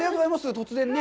突然ね。